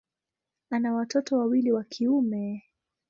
Ana watoto wawili wa kiume.